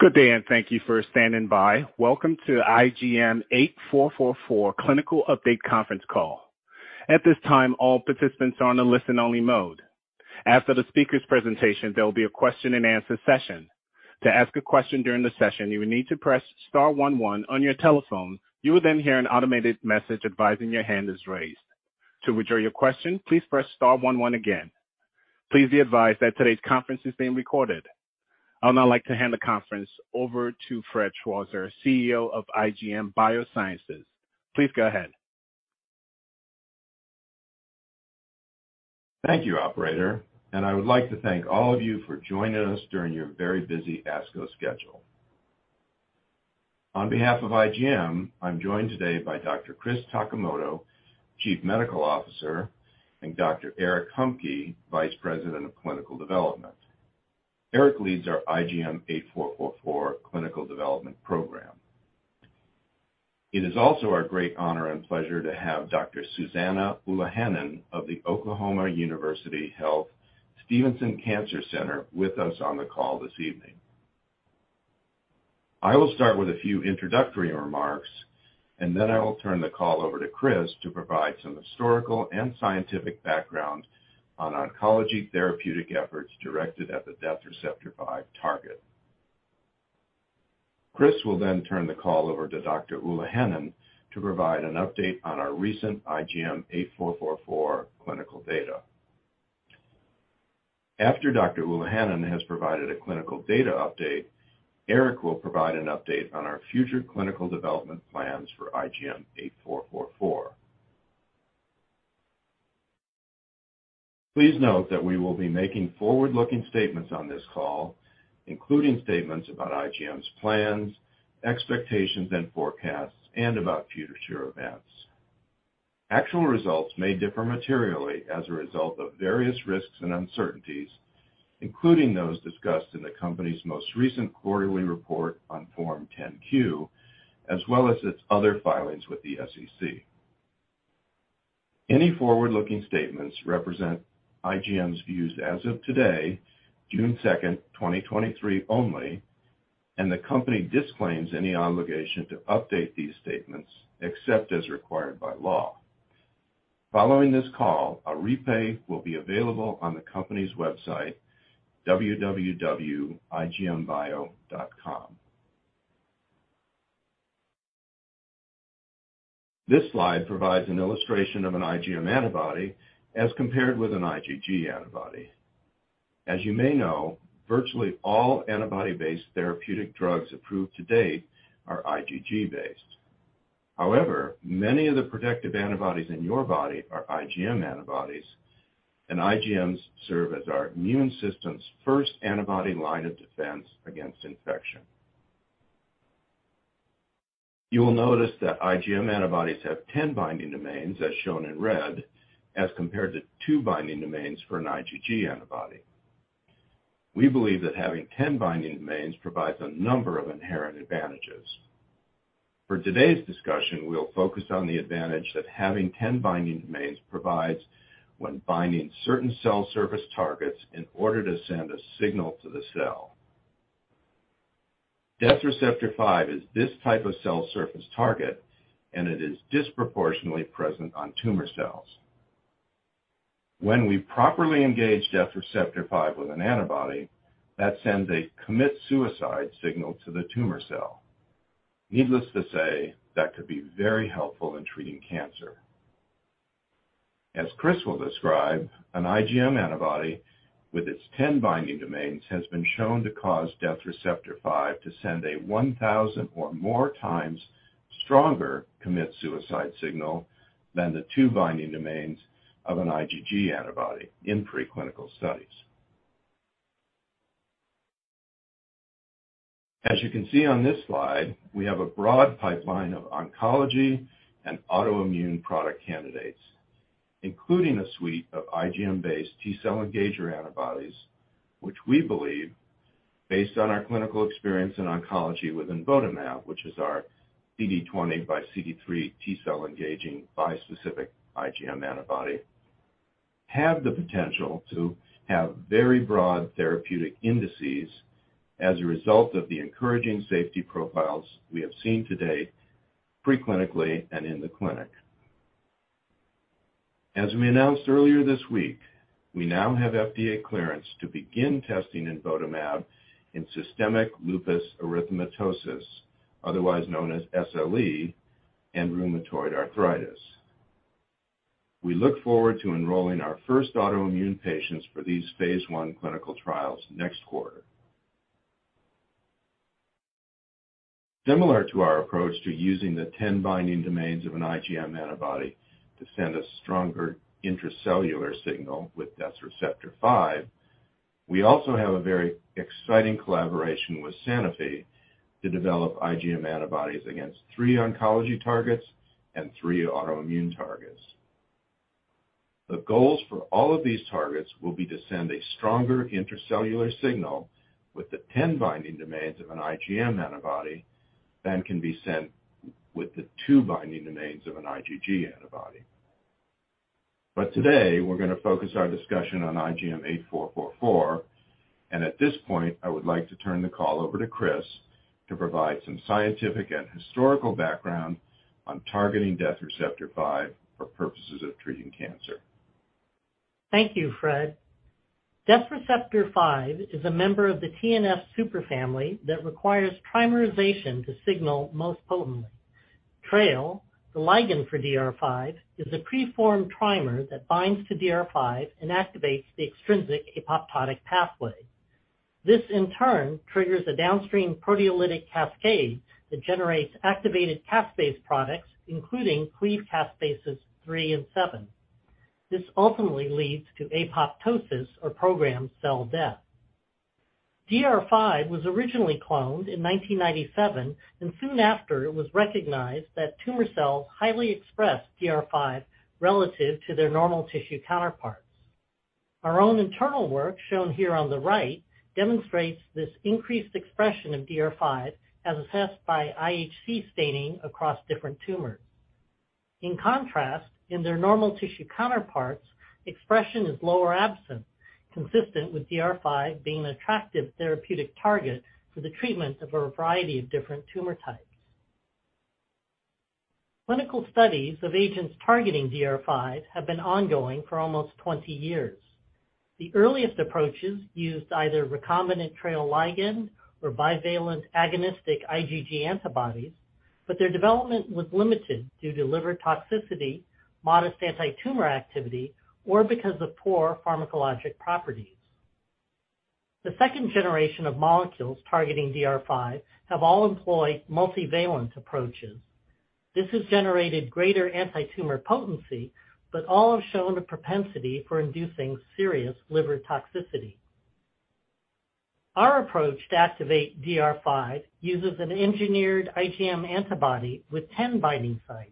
Good day, and thank you for standing by. Welcome to IGM-8444 Clinical Update Conference Call. At this time, all participants are on a listen-only mode. After the speaker's presentation, there will be a question-and-answer session. To ask a question during the session, you will need to press star one one on your telephone. You will then hear an automated message advising your hand is raised. To withdraw your question, please press star one one again. Please be advised that today's conference is being recorded. I would now like to hand the conference over to Fred Schwarzer, CEO of IGM Biosciences. Please go ahead. Thank you, operator. I would like to thank all of you for joining us during your very busy ASCO schedule. On behalf of IGM, I'm joined today by Dr. Chris Takimoto, Chief Medical Officer, and Dr. Eric Humke, Vice President of Clinical Development. Eric leads our IGM-8444 clinical development program. It is also our great honor and pleasure to have Dr. Susanna Ulahannan of the OU Health Stephenson Cancer Center with us on the call this evening. I will start with a few introductory remarks. I will turn the call over to Chris to provide some historical and scientific background on oncology therapeutic efforts directed at the Death Receptor 5 target. Chris will turn the call over to Dr. Ulahannan to provide an update on our recent IGM-8444 clinical data. After Dr.Ulahannan has provided a clinical data update, Eric will provide an update on our future clinical development plans for IGM-8444. Please note that we will be making forward-looking statements on this call, including statements about IGM's plans, expectations, and forecasts, and about future events. Actual results may differ materially as a result of various risks and uncertainties, including those discussed in the company's most recent quarterly report on Form 10-Q, as well as its other filings with the SEC. Any forward-looking statements represent IGM's views as of today, June 2nd, 2023 only, the company disclaims any obligation to update these statements except as required by law. Following this call, a replay will be available on the company's website, www.igmbio.com. This slide provides an illustration of an IgM antibody as compared with an IgG antibody. As you may know, virtually all antibody-based therapeutic drugs approved to date are IgG-based. However, many of the protective antibodies in your body are IgM antibodies, and IgMs serve as our immune system's first antibody line of defense against infection. You will notice that IgM antibodies have 10 binding domains, as shown in red, as compared to two binding domains for an IgG antibody. We believe that having 10 binding domains provides a number of inherent advantages. For today's discussion, we'll focus on the advantage that having 10 binding domains provides when binding certain cell surface targets in order to send a signal to the cell. Death Receptor 5 is this type of cell surface target, and it is disproportionately present on tumor cells. When we properly engage Death Receptor 5 with an antibody, that sends a commit suicide signal to the tumor cell. Needless to say, that could be very helpful in treating cancer. As Chris will describe, an IgM antibody with its 10 binding domains has been shown to cause Death Receptor 5 to send a 1,000 or more times stronger commit suicide signal than the two binding domains of an IgG antibody in preclinical studies. As you can see on this slide, we have a broad pipeline of oncology and autoimmune product candidates, including a suite of IgM-based T cell engager antibodies, which we believe, based on our clinical experience in oncology with imvotamab, which is our CD20 by CD3 T cell engaging bispecific IgM antibody, have the potential to have very broad therapeutic indices as a result of the encouraging safety profiles we have seen to date, preclinically and in the clinic. As we announced earlier this week, we now have FDA clearance to begin testing imvotamab in systemic lupus erythematosus, otherwise known as SLE, and rheumatoid arthritis. We look forward to enrolling our first autoimmune patients for these phase I clinical trials next quarter. Similar to our approach to using the 10 binding domains of an IgM antibody to send a stronger intracellular signal with Death Receptor 5, we also have a very exciting collaboration with Sanofi to develop IgM antibodies against three oncology targets and three autoimmune targets. The goals for all of these targets will be to send a stronger intracellular signal with the 10 binding domains of an IgM antibody than can be sent with the two binding domains of an IgG antibody. Today, we're gonna focus our discussion on IGM-8444. At this point, I would like to turn the call over to Chris to provide some scientific and historical background on targeting Death Receptor 5 for purposes of treating cancer. Thank you, Fred. Death Receptor 5 is a member of the TNF superfamily that requires oligomerization to signal most potently. TRAIL, the ligand for DR5, is a preformed trimer that binds to DR5 and activates the extrinsic apoptotic pathway. This, in turn, triggers a downstream proteolytic cascade that generates activated caspase products, including cleaved caspases-3 and 7. This ultimately leads to apoptosis or programmed cell death. DR5 was originally cloned in 1997. Soon after, it was recognized that tumor cells highly expressed DR5 relative to their normal tissue counterparts. Our own internal work, shown here on the right, demonstrates this increased expression of DR5, as assessed by IHC staining across different tumors. In contrast, in their normal tissue counterparts, expression is low or absent, consistent with DR5 being an attractive therapeutic target for the treatment of a variety of different tumor types. Clinical studies of agents targeting DR5 have been ongoing for almost 20 years. The earliest approaches used either recombinant TRAIL ligand or bivalent agonistic IgG antibodies, but their development was limited due to liver toxicity, modest antitumor activity, or because of poor pharmacologic properties. The second generation of molecules targeting DR5 have all employed multivalent approaches. This has generated greater antitumor potency, but all have shown a propensity for inducing serious liver toxicity. Our approach to activate DR5 uses an engineered IgM antibody with 10 binding sites,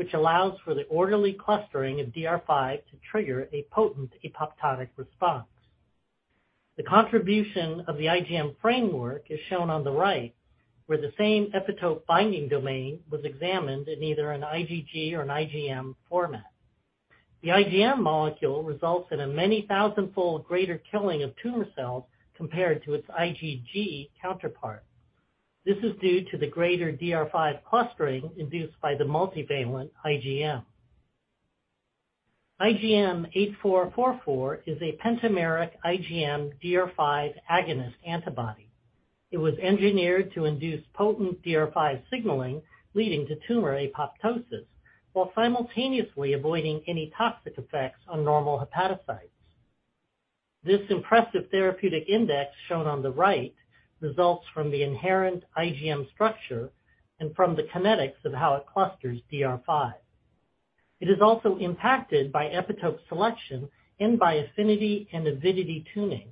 which allows for the orderly clustering of DR5 to trigger a potent apoptotic response. The contribution of the IgM framework is shown on the right, where the same epitope binding domain was examined in either an IgG or an IgM format. The IgM molecule results in a many thousand-fold greater killing of tumor cells compared to its IgG counterpart. This is due to the greater DR5 clustering induced by the multivalent IgM. IGM-8444 is a pentameric IgM DR5 agonist antibody. It was engineered to induce potent DR5 signaling, leading to tumor apoptosis, while simultaneously avoiding any toxic effects on normal hepatocytes. This impressive therapeutic index, shown on the right, results from the inherent IgM structure and from the kinetics of how it clusters DR5. It is also impacted by epitope selection and by affinity and avidity tuning.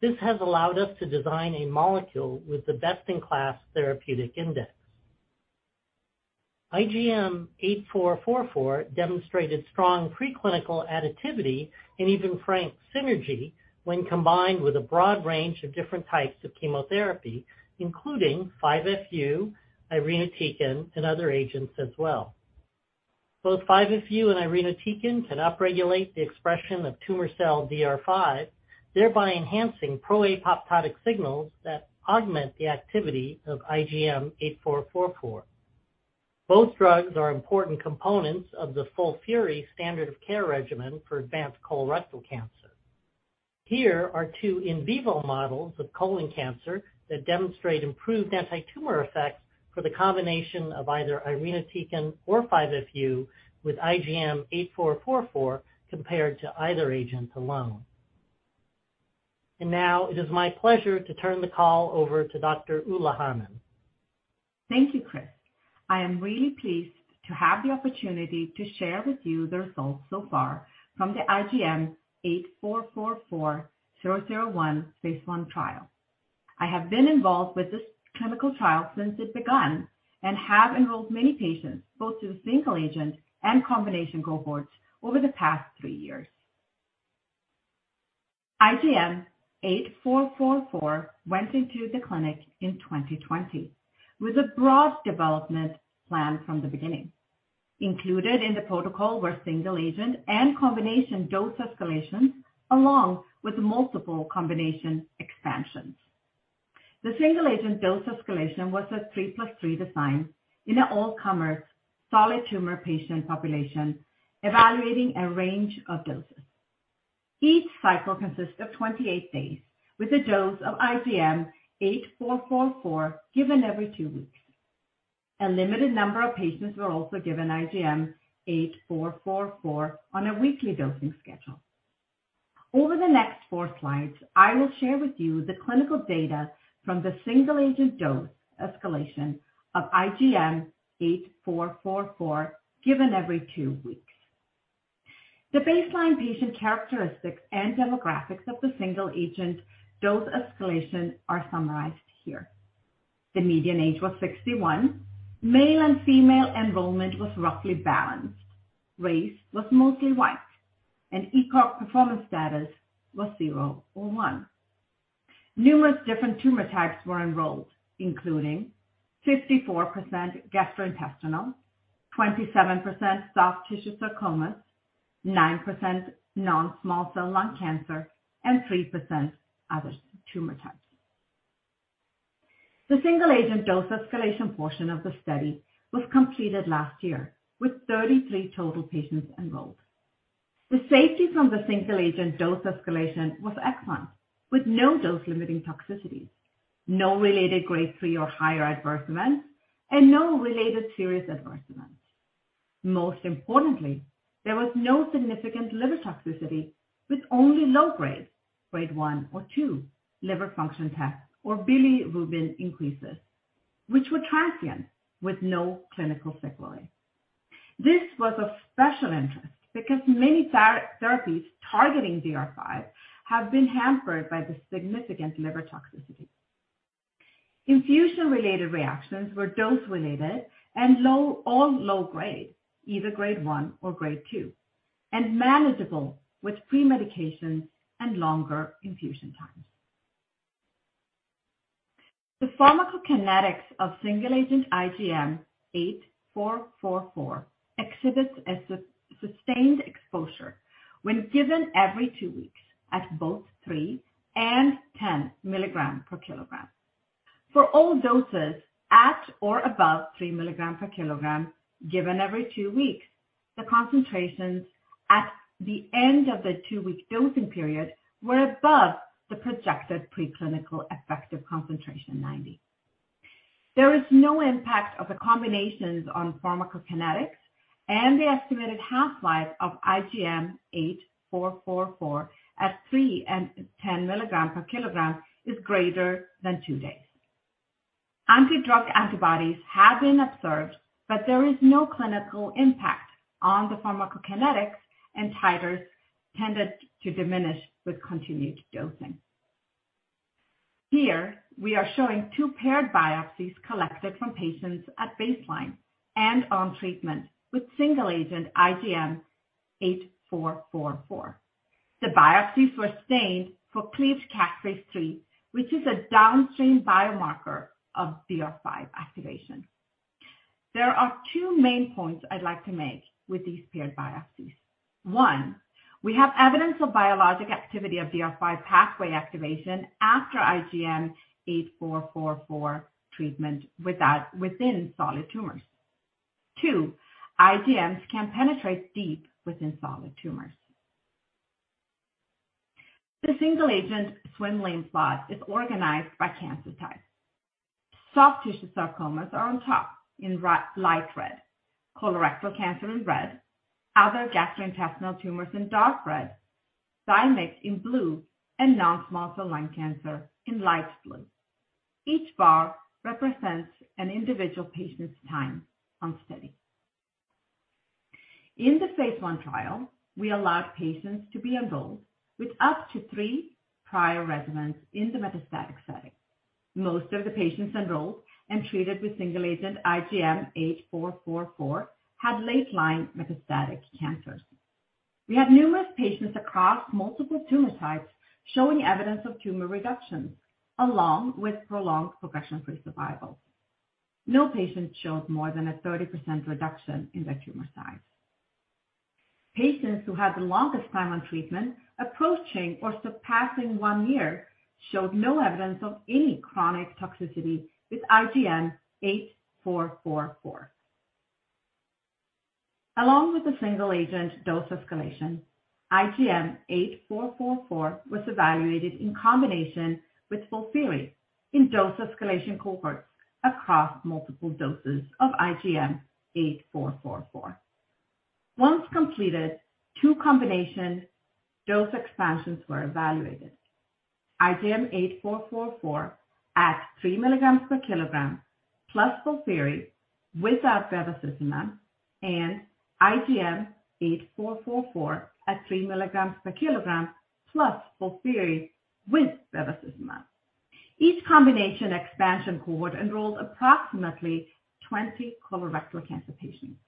This has allowed us to design a molecule with the best-in-class therapeutic index. IGM-8444 demonstrated strong preclinical additivity and even frank synergy when combined with a broad range of different types of chemotherapy, including 5-FU, irinotecan, and other agents as well. Both 5-FU and irinotecan can upregulate the expression of tumor cell DR5, thereby enhancing pro-apoptotic signals that augment the activity of IGM-8444. Both drugs are important components of the FOLFIRI standard of care regimen for advanced colorectal cancer. Here are two in vivo models of colon cancer that demonstrate improved antitumor effects for the combination of either irinotecan or 5-FU with IGM-8444, compared to either agent alone. Now it is my pleasure to turn the call over to Dr. Ulahannan. Thank you, Chris. I am really pleased to have the opportunity to share with you the results so far from the IGM-8444/001 phase I trial. I have been involved with this clinical trial since it begun and have enrolled many patients, both to the single agent and combination cohorts, over the past three years. IGM-8444 went into the clinic in 2020, with a broad development plan from the beginning. Included in the protocol were single agent and combination dose escalations, along with multiple combination expansions. The single-agent dose escalation was a three plus three design in an all-comers solid tumor patient population, evaluating a range of doses. Each cycle consists of 28 days, with a dose of IGM-8444, given every two weeks. A limited number of patients were also given IGM-8444 on a weekly dosing schedule. Over the next four slides, I will share with you the clinical data from the single-agent dose escalation of IGM-8444, given every two weeks. The baseline patient characteristics and demographics of the single-agent dose escalation are summarized here. The median age was 61. Male and female enrollment was roughly balanced. Race was mostly white, and ECOG performance status was zero or one. Numerous different tumor types were enrolled, including 54% gastrointestinal, 27% soft tissue sarcomas, 9% non-small cell lung cancer, and 3% other tumor types. The single-agent dose escalation portion of the study was completed last year, with 33 total patients enrolled. The safety from the single-agent dose escalation was excellent, with no dose-limiting toxicities, no related grade three or higher adverse events, and no related serious adverse events. Most importantly, there was no significant liver toxicity, with only low grade one or two, liver function tests or bilirubin increases, which were transient with no clinical sequelae. This was of special interest because many therapies targeting DR5 have been hampered by the significant liver toxicity. Infusion-related reactions were dose-related and all low grade, either grade one or grade two, and manageable with premedication and longer infusion times. The pharmacokinetics of single-agent IGM-8444 exhibits a sustained exposure when given every two weeks at both three and 10 mg/kg. For all doses at or above 3 mg/kg, given every two weeks, the concentrations at the end of the two week dosing period were above the projected preclinical effective concentration 90. There is no impact of the combinations on pharmacokinetics. The estimated half-life of IGM-8444 at three and 10 mg/kg is greater than two days. Anti-drug antibodies have been observed, but there is no clinical impact on the pharmacokinetics, and titers tended to diminish with continued dosing. Here, we are showing two paired biopsies collected from patients at baseline and on treatment with single-agent IGM-8444. The biopsies were stained for cleaved caspase-3, which is a downstream biomarker of DR5 activation. There are two main points I'd like to make with these paired biopsies. One, we have evidence of biologic activity of DR5 pathway activation after IGM-8444 treatment within solid tumors. Two, IGMs can penetrate deep within solid tumors. The single-agent swim lane plot is organized by cancer type. Soft tissue sarcomas are on top in light red, colorectal cancer in red, other gastrointestinal tumors in dark red, thymic in blue, and non-small cell lung cancer in light blue. Each bar represents an individual patient's time on study. In the phase I trial, we allowed patients to be enrolled with up to three prior residents in the metastatic setting. Most of the patients enrolled and treated with single-agent IGM-8444 had late-line metastatic cancers. We had numerous patients across multiple tumor types showing evidence of tumor reduction, along with prolonged progression-free survival. No patient showed more than a 30% reduction in their tumor size. Patients who had the longest time on treatment, approaching or surpassing one year, showed no evidence of any chronic toxicity with IGM-8444. Along with the single-agent dose escalation, IGM-8444 was evaluated in combination with FOLFIRI in dose escalation cohorts across multiple doses of IGM-8444. Once completed, two combination dose expansions were evaluated. IGM-8444 at 3 mg/kg, plus FOLFIRI without bevacizumab, and IGM-8444 at 3 mg/kg plus FOLFIRI with bevacizumab. Each combination expansion cohort enrolled approximately 20 colorectal cancer patients.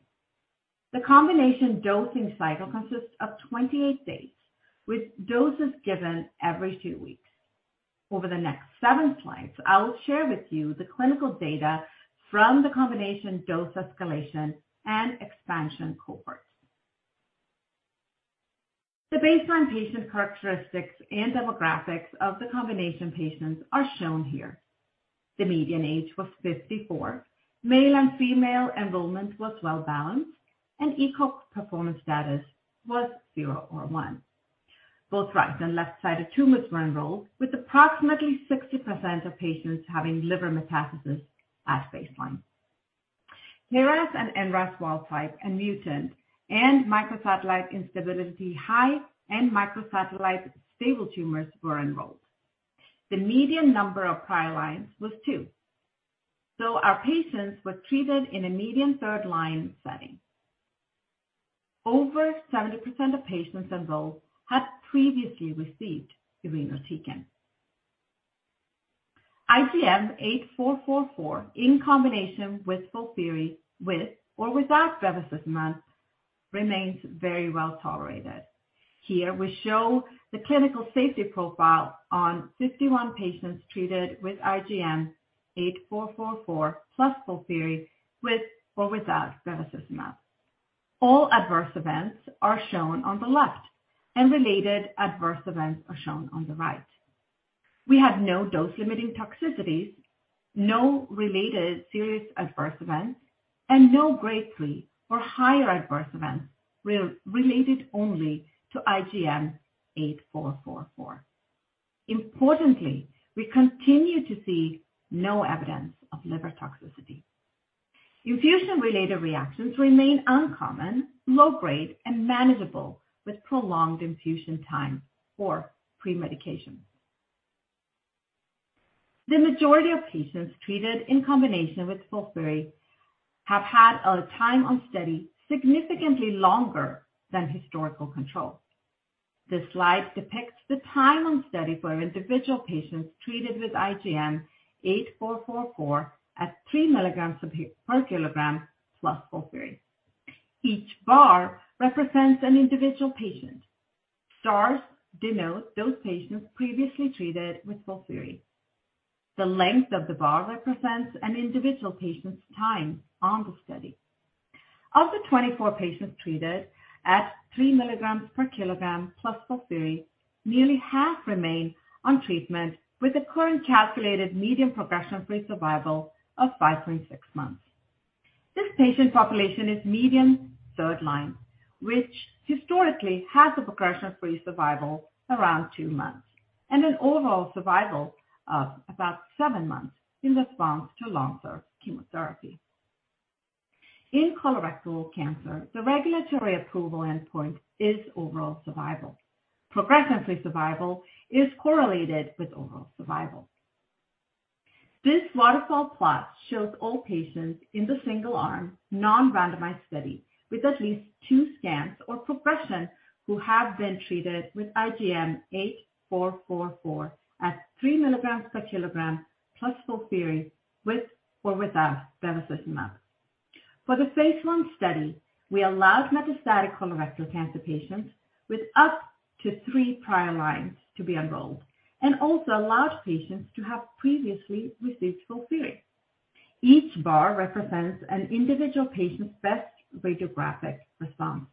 The combination dosing cycle consists of 28 days, with doses given every two weeks. Over the next seven slides, I will share with you the clinical data from the combination dose escalation and expansion cohorts. The baseline patient characteristics and demographics of the combination patients are shown here. The median age was 54. Male and female enrollment was well-balanced, and ECOG performance status was zero or one. Both right and left-sided tumors were enrolled, with approximately 60% of patients having liver metastasis at baseline. KRAS and NRAS wild type and mutant and microsatellite instability, high and microsatellite stable tumors were enrolled. The median number of prior lines was two, so our patients were treated in a median third-line setting. Over 70% of patients enrolled had previously received irinotecan. IGM-8444, in combination with FOLFIRI, with or without bevacizumab, remains very well tolerated. Here we show the clinical safety profile on 51 patients treated with IGM-8444 plus FOLFIRI, with or without bevacizumab. All adverse events are shown on the left, and related adverse events are shown on the right. We had no dose-limiting toxicities, no related serious adverse events, and no grade three or higher adverse events related only to IGM-8444. Importantly, we continue to see no evidence of liver toxicity. Infusion-related reactions remain uncommon, low grade, and manageable with prolonged infusion time or premedication. The majority of patients treated in combination with FOLFIRI have had a time on study significantly longer than historical controls. This slide depicts the time on study for individual patients treated with IGM-8444 at 3 mg/kg plus FOLFIRI. Each bar represents an individual patient. Stars denote those patients previously treated with FOLFIRI. The length of the bar represents an individual patient's time on the study. Of the 24 patients treated at 3 mg/kg plus FOLFIRI, nearly half remain on treatment, with a current calculated median progression-free survival of 5.6 months. This patient population is median third line, which historically has a progression-free survival around two months, and an overall survival of about seven months in response to long-term chemotherapy. In colorectal cancer, the regulatory approval endpoint is overall survival. Progression-free survival is correlated with overall survival. This waterfall plot shows all patients in the single arm, non-randomized study, with at least two scans or progression, who have been treated with IGM-8444 at 3 mg/kg plus FOLFIRI, with or without bevacizumab. For the phase I study, we allowed metastatic colorectal cancer patients with up to three prior lines to be enrolled, and also allowed patients to have previously received FOLFIRI. Each bar represents an individual patient's best radiographic response.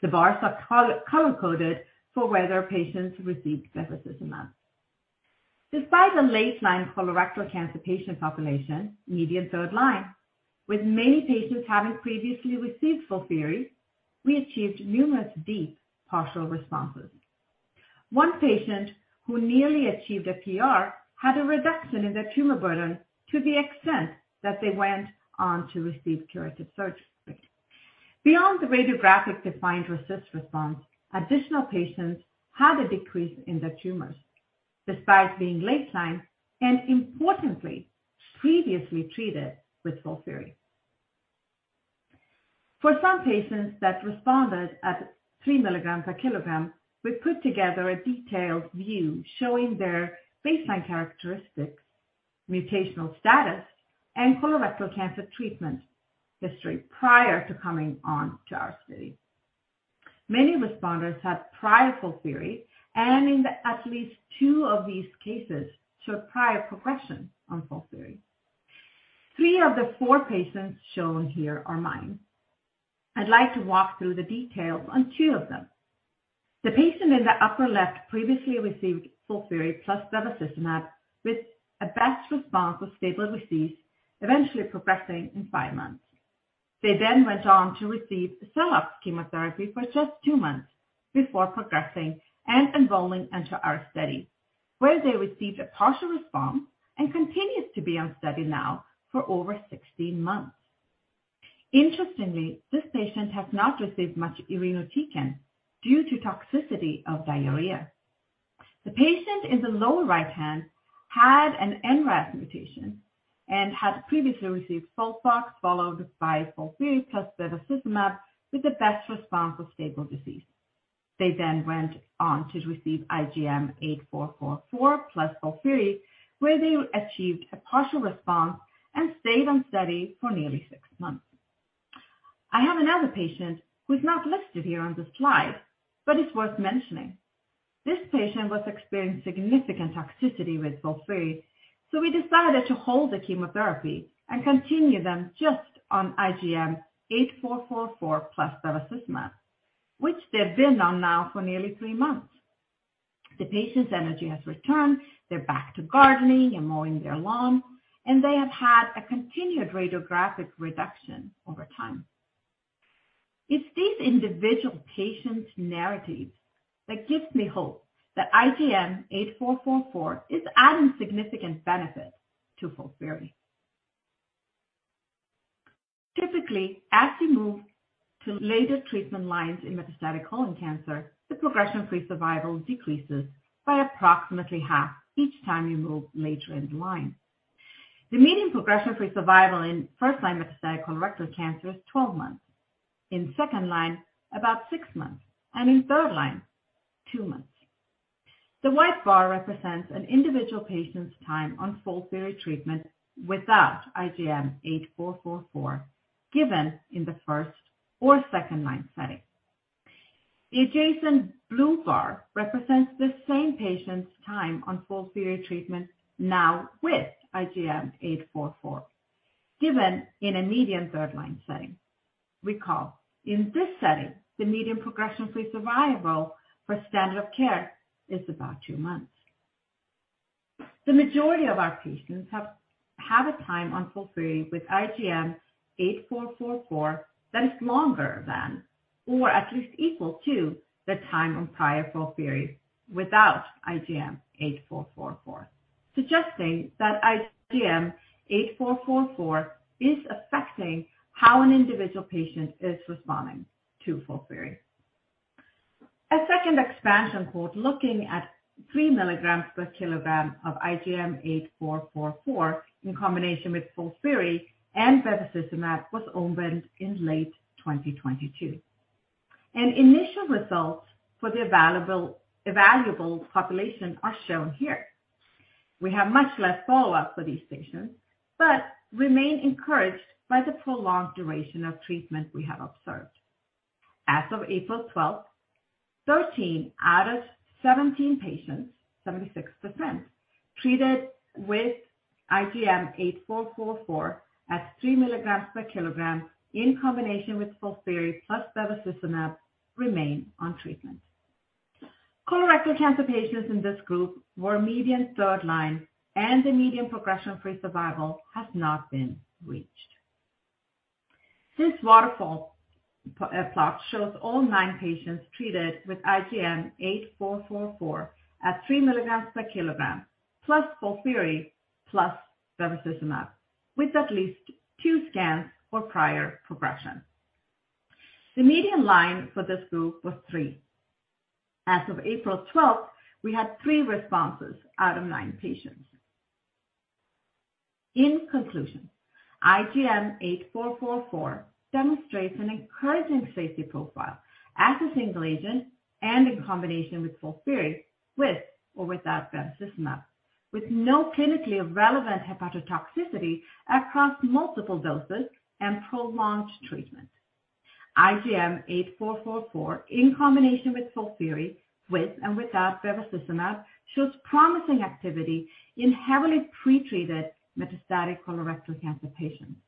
The bars are color-coded for whether patients received bevacizumab. Despite the late-line colorectal cancer patient population, median third line, with many patients having previously received FOLFIRI, we achieved numerous deep partial responses. One patient who nearly achieved a PR had a reduction in their tumor burden to the extent that they went on to receive curative surgery. Beyond the radiographic-defined RECIST response, additional patients had a decrease in their tumors, despite being late line and importantly, previously treated with FOLFIRI. For some patients that responded at 3 mg/kg, we put together a detailed view showing their baseline characteristics, mutational status, and colorectal cancer treatment history prior to coming on to our study. Many responders had prior FOLFIRI, and in the at least two of these cases, showed prior progression on FOLFIRI. three of the four patients shown here are mine. I'd like to walk through the details on two of them. The patient in the upper left previously received FOLFIRI plus bevacizumab, with a best response with stable disease, eventually progressing in five months. They went on to receive XELOX chemotherapy for just two months before progressing and enrolling into our study, where they received a partial response and continues to be on study now for over 16 months. Interestingly, this patient has not received much irinotecan due to toxicity of diarrhea. The patient in the lower right-hand had an NRAS mutation and had previously received FOLFOX, followed by FOLFIRI plus bevacizumab, with the best response of stable disease. They went on to receive IGM-8444 plus FOLFIRI, where they achieved a partial response and stayed on study for nearly six months. I have another patient who is not listed here on the slide, but is worth mentioning. This patient was experiencing significant toxicity with FOLFIRI, so we decided to hold the chemotherapy and continue them just on IGM-8444 plus bevacizumab, which they've been on now for nearly three months. The patient's energy has returned. They're back to gardening and mowing their lawn, and they have had a continued radiographic reduction over time. It's these individual patients' narratives that gives me hope that IGM-8444 is adding significant benefit to FOLFIRI. Typically, as you move to later treatment lines in metastatic colorectal cancer, the progression-free survival decreases by approximately half each time you move later in the line.... The median progression-free survival in first-line metastatic colorectal cancer is 12 months, in second line, about six months, and in third line, two months. The white bar represents an individual patient's time on FOLFIRI treatment without IGM-8444, given in the first or second-line setting. The adjacent blue bar represents the same patient's time on FOLFIRI treatment now with IGM-8444, given in a median third-line setting. Recall, in this setting, the median progression-free survival for standard of care is about 2 months. The majority of our patients have a time on FOLFIRI with IGM 8444 that is longer than, or at least equal to, the time on prior FOLFIRI without IGM 8444, suggesting that IGM 8444 is affecting how an individual patient is responding to FOLFIRI. A second expansion cohort, looking at 3 mg/kg of IGM 8444 in combination with FOLFIRI and bevacizumab, was opened in late 2022. Initial results for the evaluable population are shown here. We have much less follow-up for these patients, but remain encouraged by the prolonged duration of treatment we have observed. As of April 12th, 13 out of 17 patients, 76%, treated with IGM 8444 at 3 mg/kg in combination with FOLFIRI plus bevacizumab, remain on treatment. Colorectal cancer patients in this group were median third-line, and the median progression-free survival has not been reached. This waterfall plot shows all three patients treated with IGM-8444 at 3 mg/kg, plus FOLFIRI, plus bevacizumab, with at least two scans for prior progression. The median line for this group was three. As of April 12th, we had three responses out of nine patients. In conclusion, IGM-8444 demonstrates an encouraging safety profile as a single agent and in combination with FOLFIRI, with or without bevacizumab, with no clinically relevant hepatotoxicity across multiple doses and prolonged treatment. IGM-8444, in combination with FOLFIRI, with and without bevacizumab, shows promising activity in heavily pretreated metastatic colorectal cancer patients.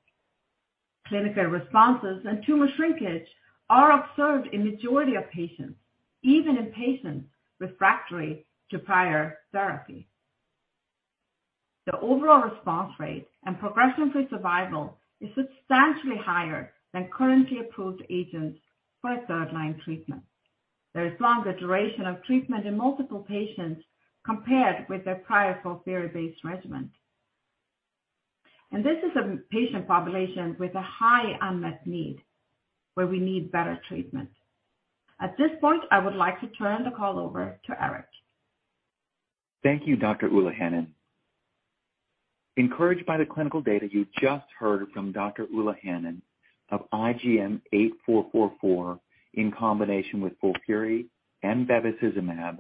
Clinical responses and tumor shrinkage are observed in majority of patients, even in patients refractory to prior therapy. The overall response rate and progression-free survival is substantially higher than currently approved agents for a third-line treatment. There is longer duration of treatment in multiple patients compared with their prior FOLFIRI-based regimen. This is a patient population with a high unmet need, where we need better treatment. At this point, I would like to turn the call over to Eric. Thank you, Dr. Ulahannan. Encouraged by the clinical data you just heard from Dr. Ulahannan of IGM-8444 in combination with FOLFIRI and bevacizumab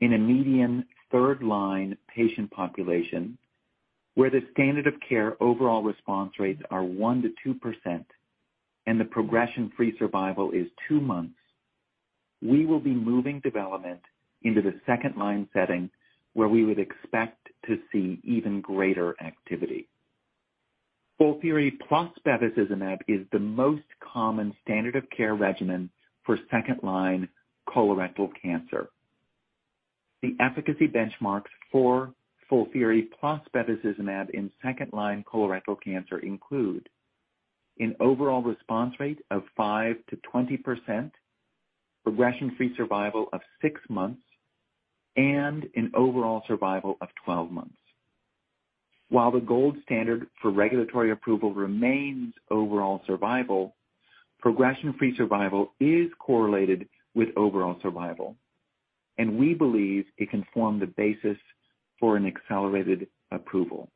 in a median third-line patient population, where the standard of care overall response rates are 1%-2% and the progression-free survival is two months, we will be moving development into the second-line setting, where we would expect to see even greater activity. FOLFIRI plus bevacizumab is the most common standard of care regimen for second-line colorectal cancer. The efficacy benchmarks for FOLFIRI plus bevacizumab in second-line colorectal cancer include: an overall response rate of 5%-20%, progression-free survival of six months, and an overall survival of 12 months. While the gold standard for regulatory approval remains overall survival, progression-free survival is correlated with overall survival, we believe it can form the basis for an accelerated approval.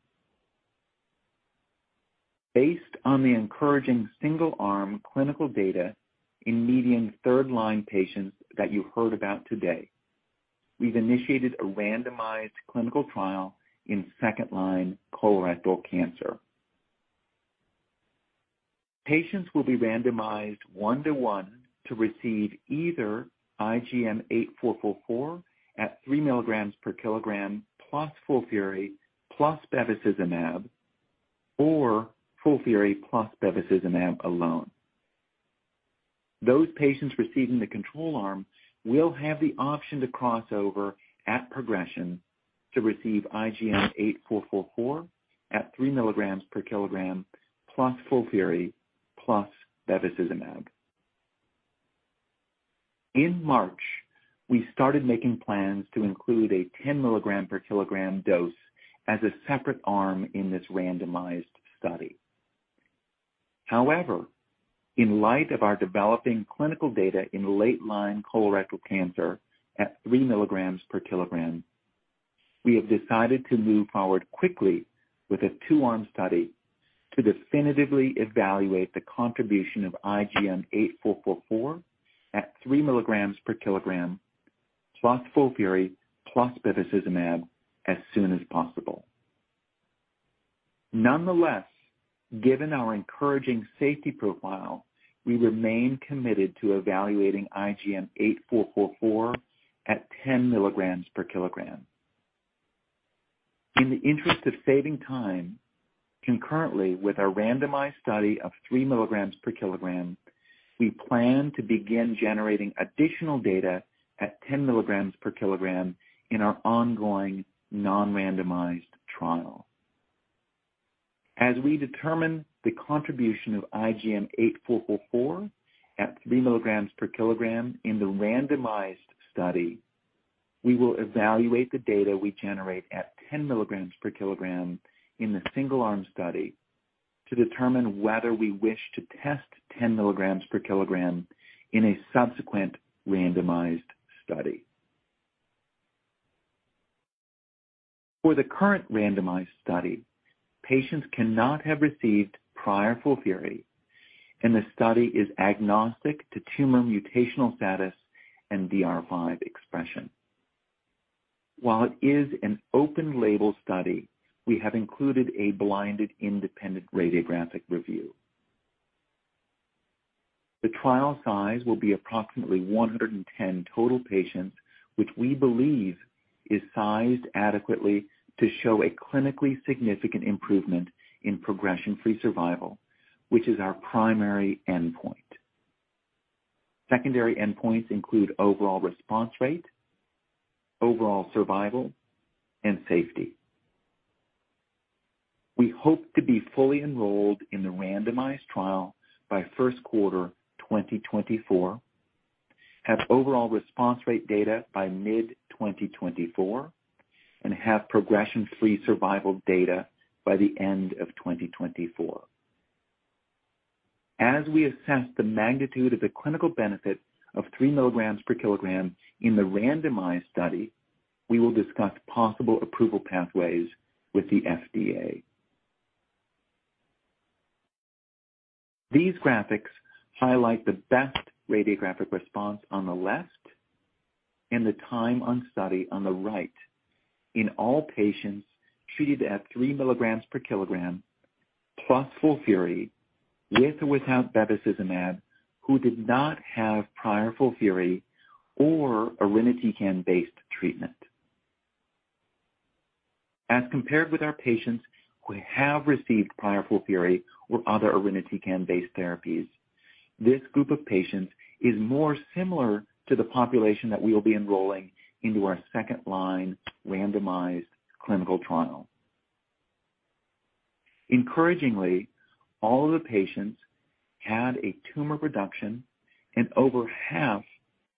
Based on the encouraging single-arm clinical data in median third-line patients that you heard about today, we've initiated a randomized clinical trial in second-line colorectal cancer. Patients will be randomized one to one to receive either IGM-8444 at 3 mg/kg, plus FOLFIRI, plus bevacizumab, or FOLFIRI plus bevacizumab alone. Those patients receiving the control arm will have the option to cross over at progression to receive IGM-8444 at 3 mg/kg plus FOLFIRI, plus bevacizumab. In March, we started making plans to include a 10 mg/kg dose as a separate arm in this randomized study. However, in light of our developing clinical data in late-line colorectal cancer at 3 mg/kg we have decided to move forward quickly with a 2-arm study to definitively evaluate the contribution of IGM-8444 at 3 mg/kg plus FOLFIRI plus bevacizumab as soon as possible. Nonetheless, given our encouraging safety profile, we remain committed to evaluating IGM-8444 at 10 mg/kg. In the interest of saving time, concurrently with our randomized study of 3 mg/kg we plan to begin generating additional data at 10 mg/kg in our ongoing non-randomized trial. As we determine the contribution of IGM-8444 at 3 mg/kg in the randomized study, we will evaluate the data we generate at 10 mg/kg in the single-arm study, to determine whether we wish to test 10 mg/kg in a subsequent randomized study. For the current randomized study, patients cannot have received prior FOLFIRI, and the study is agnostic to tumor mutational status and DR5 expression. While it is an open label study, we have included a blinded, independent radiographic review. The trial size will be approximately 110 total patients, which we believe is sized adequately to show a clinically significant improvement in progression-free survival, which is our primary endpoint. Secondary endpoints include overall response rate, overall survival, and safety. We hope to be fully enrolled in the randomized trial by first quarter 2024, have overall response rate data by mid-2024, and have progression-free survival data by the end of 2024. As we assess the magnitude of the clinical benefit of 3 mg/kg in the randomized study, we will discuss possible approval pathways with the FDA. These graphics highlight the best radiographic response on the left and the time on study on the right in all patients treated at 3 mg/kg plus FOLFIRI, with or without bevacizumab, who did not have prior FOLFIRI or irinotecan-based treatment. As compared with our patients who have received prior FOLFIRI or other irinotecan-based therapies, this group of patients is more similar to the population that we will be enrolling into our second-line randomized clinical trial. Encouragingly, all of the patients had a tumor reduction, and over half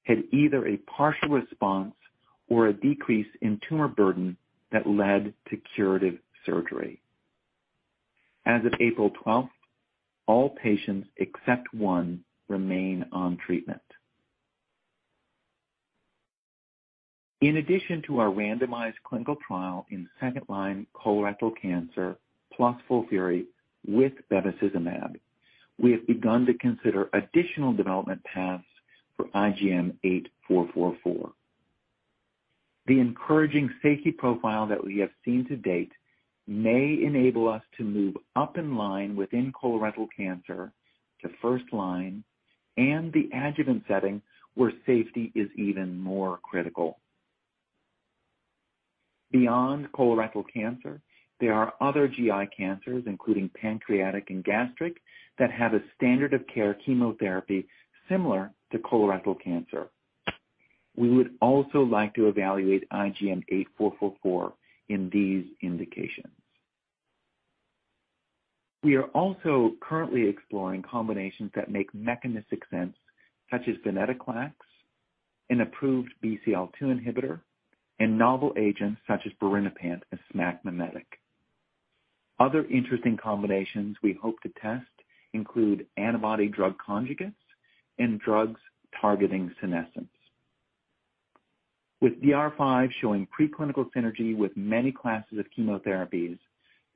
had either a partial response or a decrease in tumor burden that led to curative surgery. As of April 12th, all patients except one remain on treatment. In addition to our randomized clinical trial in second-line colorectal cancer plus FOLFIRI with bevacizumab, we have begun to consider additional development paths for IGM-8444. The encouraging safety profile that we have seen to date may enable us to move up in line within colorectal cancer to first line and the adjuvant setting, where safety is even more critical. Beyond colorectal cancer, there are other GI cancers, including pancreatic and gastric, that have a standard of care chemotherapy similar to colorectal cancer. We would also like to evaluate IGM-8444 in these indications. We are also currently exploring combinations that make mechanistic sense, such as venetoclax, an approved BCL-2 inhibitor, and novel agents such as birinapant and SMAC mimetic. Other interesting combinations we hope to test include antibody drug conjugates and drugs targeting senescence. With DR5 showing preclinical synergy with many classes of chemotherapies,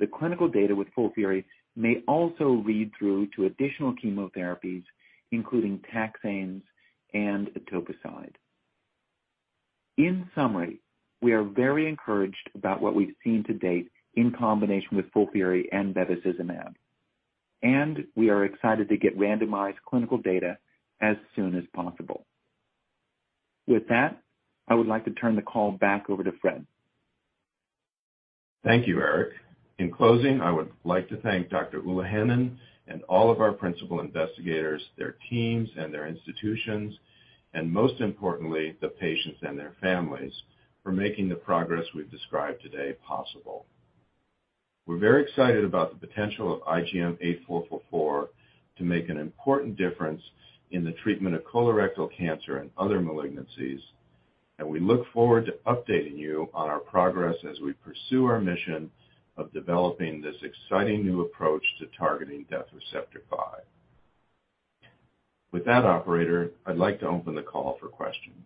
the clinical data with FOLFIRI may also read through to additional chemotherapies, including taxanes and etoposide. In summary, we are very encouraged about what we've seen to date in combination with FOLFIRI and bevacizumab, and we are excited to get randomized clinical data as soon as possible. With that, I would like to turn the call back over to Fred. Thank you, Eric. In closing, I would like to thank Dr. Ulahannan and all of our principal investigators, their teams and their institutions, and most importantly, the patients and their families, for making the progress we've described today possible. We're very excited about the potential of IGM-8444 to make an important difference in the treatment of colorectal cancer and other malignancies. We look forward to updating you on our progress as we pursue our mission of developing this exciting new approach to targeting Death Receptor 5. With that, operator, I'd like to open the call for questions.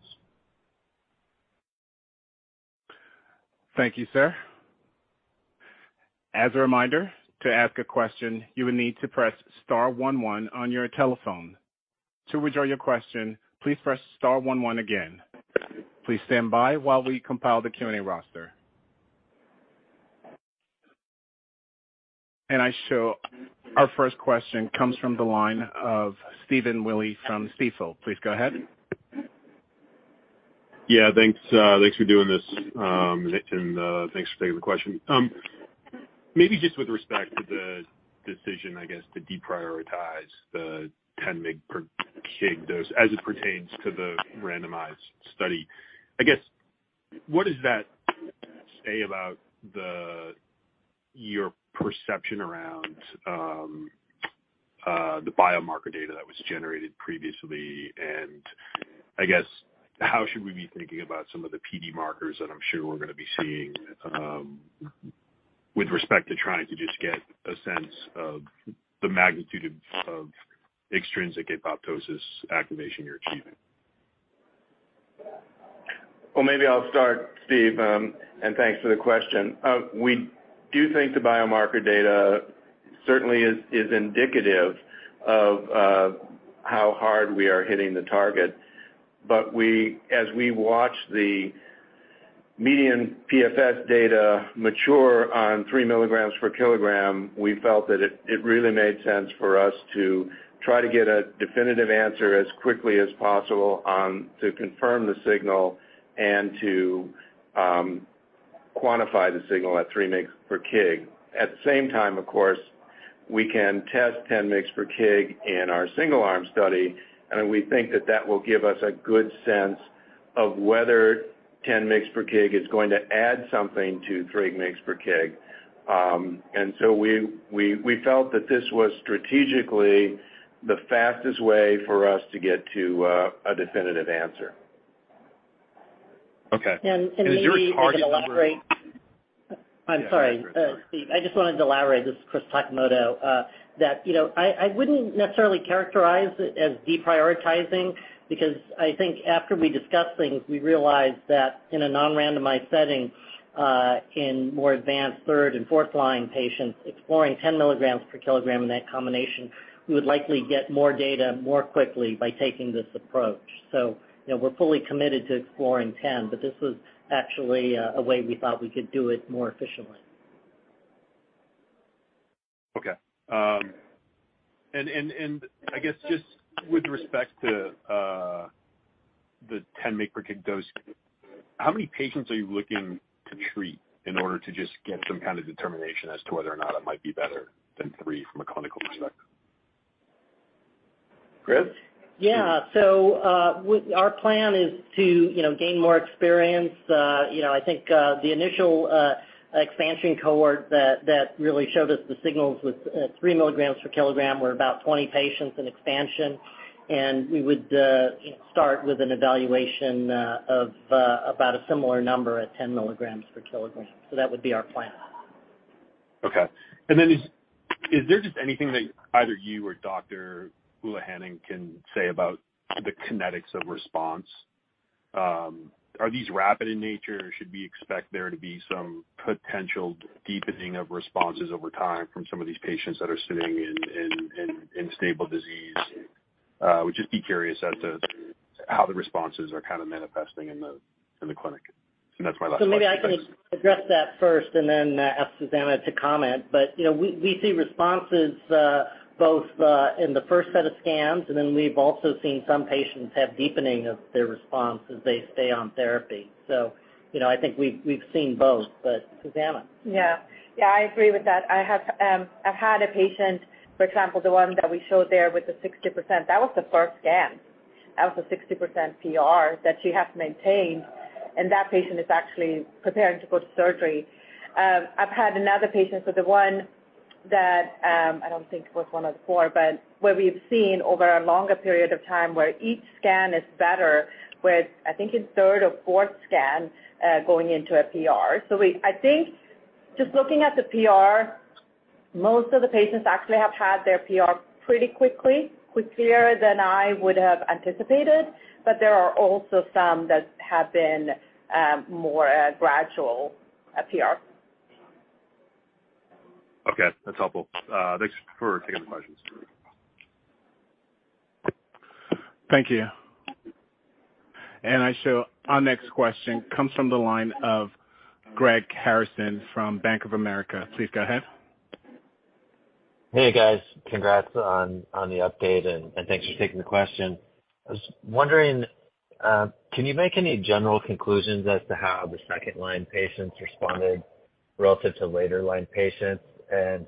Thank you, sir. As a reminder, to ask a question, you will need to press star one onec on your telephone. To withdraw your question, please press star one one again. Please stand by while we compile the Q&A roster. I show our first question comes from the line of Stephen Willey from Stifel. Please go ahead. Yeah, thanks for doing this, thanks for taking the question. Maybe just with respect to the decision, I guess, to deprioritize the 10 mg per kg dose as it pertains to the randomized study, I guess, what does that say about the, your perception around the biomarker data that was generated previously? I guess, how should we be thinking about some of the PD markers that I'm sure we're gonna be seeing with respect to trying to just get a sense of the magnitude of extrinsic apoptosis activation you're achieving? Well, maybe I'll start, Steve, thanks for the question. We do think the biomarker data certainly is indicative of how hard we are hitting the target. As we watch the median PFS data mature on 3 mg/kg we felt that it really made sense for us to try to get a definitive answer as quickly as possible on, to confirm the signal and to quantify the signal at 3 mg/kg. At the same time, of course, we can test 10 mg/kg in our single-arm study, we think that that will give us a good sense of whether 10 mg/kg is going to add something to 3 mg/ kg. We felt that this was strategically the fastest way for us to get to a definitive answer. Okay. maybe I can. Is your target number? I'm sorry, Steve. Yeah, go ahead, sorry. I just wanted to elaborate, this is Chris Takimoto. That, you know, I wouldn't necessarily characterize it as deprioritizing, because I think after we discussed things, we realized that in a non-randomized setting, in more advanced third and fourth line patients, exploring 10 mg/kg in that combination, we would likely get more data more quickly by taking this approach. You know, we're fully committed to exploring 10, but this was actually a way we thought we could do it more efficiently. Okay. I guess just with respect to the 10 mg/kg dose, how many patients are you looking to treat in order to just get some kind of determination as to whether or not it might be better than three from a clinical perspective? Chris? Yeah. Our plan is to, you know, gain more experience. You know, I think the initial expansion cohort that really showed us the signals with 3 mg/kg were about 20 patients in expansion, and we would start with an evaluation of about a similar number at 10 mg/kg. That would be our plan. Is there just anything that either you or Dr. Ulahannan can say about the kinetics of response? Are these rapid in nature, or should we expect there to be some potential deepening of responses over time from some of these patients that are sitting in stable disease? Would just be curious as to how the responses are kind of manifesting in the clinic. That's my last question. Maybe I can address that first and then ask Susanna to comment. You know, we see responses, both in the first set of scans, and then we've also seen some patients have deepening of their response as they stay on therapy. You know, I think we've seen both, but Susanna. Yeah. Yeah, I agree with that. I've had a patient, for example, the one that we showed there with the 60%, that was the first scan. That was a 60% PR that she has maintained, and that patient is actually preparing to go to surgery. I've had another patient, so the one that, I don't think it was one of the four, but where we've seen over a longer period of time where each scan is better, with I think it's third or fourth scan, going into a PR. I think just looking at the PR, most of the patients actually have had their PR pretty quickly, quicker than I would have anticipated, but there are also some that have been, more, gradual at PR. Okay, that's helpful. Thanks for taking the questions. Thank you. I show our next question comes from the line of Greg Harrison from Bank of America. Please go ahead. Hey, guys. Congrats on the update, and thanks for taking the question. I was wondering, can you make any general conclusions as to how the second-line patients responded relative to later-line patients? And,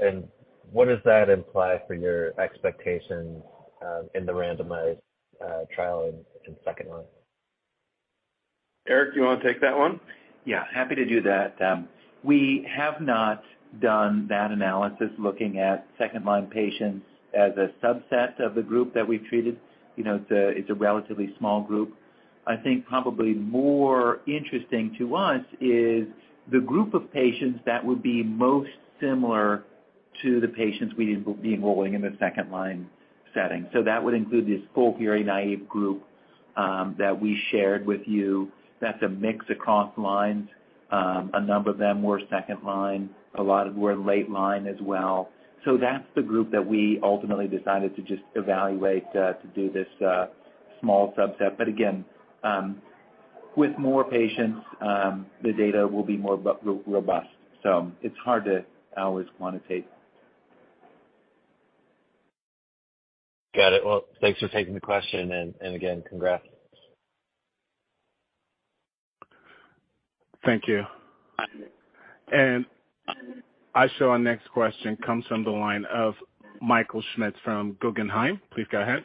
and what does that imply for your expectations in the randomized trial in second line? Eric, do you want to take that one? Yeah, happy to do that. We have not done that analysis looking at second-line patients as a subset of the group that we've treated. You know, it's a relatively small group. I think probably more interesting to us is the group of patients that would be most similar to the patients we'd be enrolling in the second-line setting. That would include this FOLFIRI naive group that we shared with you. That's a mix across lines. A number of them were second line, a lot of were late line as well. That's the group that we ultimately decided to just evaluate to do this small subset. Again, with more patients, the data will be more robust, so it's hard to always quantitate. Got it. Thanks for taking the question, and again, congrats. Thank you. I show our next question comes from the line of Michael Schmidt from Guggenheim. Please go ahead.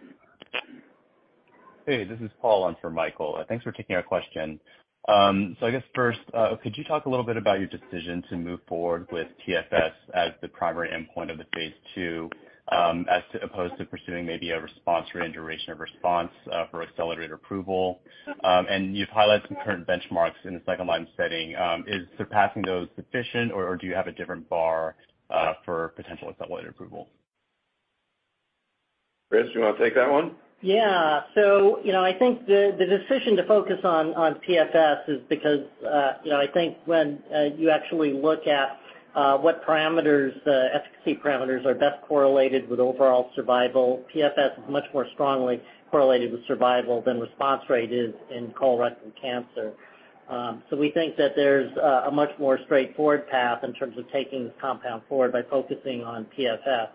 Hey, this is Paul in for Michael. Thanks for taking our question. I guess first, could you talk a little bit about your decision to move forward with PFS as the primary endpoint of the phase II, as to opposed to pursuing maybe a response rate and duration of response for accelerated approval? You've highlighted some current benchmarks in the 2nd-line setting. Is surpassing those sufficient, or do you have a different bar for potential accelerated approval? Chris, do you wanna take that one? Yeah. You know, I think the decision to focus on PFS is because, you know, I think when you actually look at what parameters, efficacy parameters are best correlated with overall survival, PFS is much more strongly correlated with survival than response rate is in colorectal cancer. We think that there's a much more straightforward path in terms of taking this compound forward by focusing on PFS.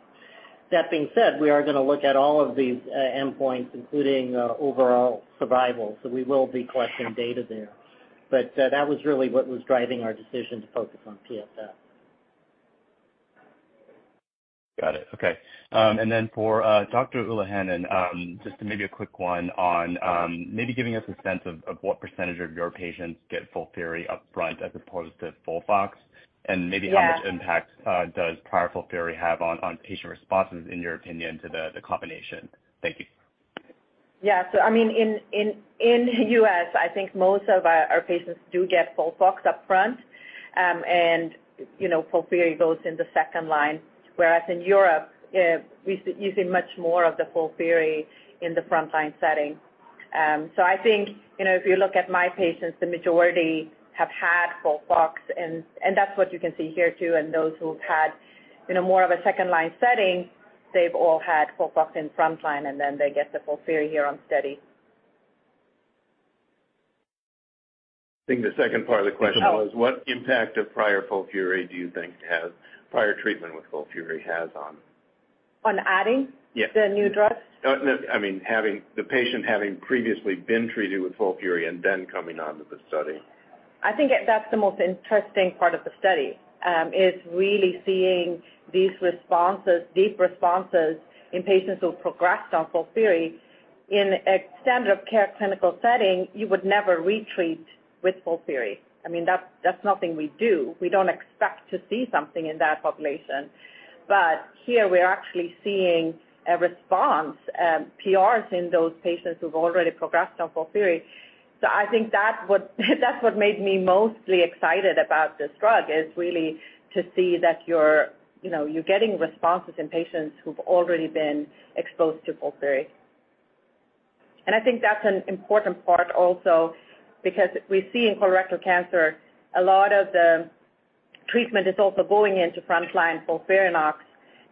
That being said, we are gonna look at all of these endpoints, including overall survival, so we will be collecting data there. That was really what was driving our decision to focus on PFS. Got it. Okay. Then for Dr. Ulahannan, just maybe a quick one on maybe giving us a sense of what % of your patients get FOLFIRI up front as opposed to FOLFOX? Yeah. maybe how much impact does prior FOLFIRI have on patient responses, in your opinion, to the combination? Thank you. Yeah. I mean, in U.S., I think most of our patients do get FOLFOX up front. You know, FOLFIRI goes in the second-line, whereas in Europe, you see much more of the FOLFIRI in the front-line setting. I think, you know, if you look at my patients, the majority have had FOLFOX, and that's what you can see here, too. Those who've had, you know, more of a second-line setting, they've all had FOLFOX in front-line, and then they get the FOLFIRI here on study. I think the second part of the question was... Oh. What impact of prior FOLFIRI do you think has, prior treatment with FOLFIRI has on... On adding- Yes. the new drug? No, I mean, the patient having previously been treated with FOLFIRI and then coming onto the study. I think that's the most interesting part of the study, is really seeing these responses, deep responses in patients who progressed on FOLFIRI. In a standard of care clinical setting, you would never retreat with FOLFIRI. I mean, that's nothing we do. We don't expect to see something in that population. Here we are actually seeing a response, PRs in those patients who've already progressed on FOLFIRI. I think that's what, that's what made me mostly excited about this drug, is really to see that you're, you know, you're getting responses in patients who've already been exposed to FOLFIRI. I think that's an important part also, because we see in colorectal cancer, a lot of the treatment is also going into front-line FOLFIRINOX,